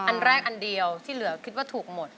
อันแรกอันเดียวที่เหลือคิดว่าถูกหมด